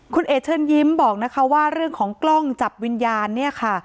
คุณเอ๋เชิญยิ้มบอกนะคะว่าเรื่องของกล้องจับวิญญาณเนี่ยค่ะ